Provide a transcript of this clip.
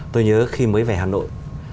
tôi nhớ khi mới về hà nội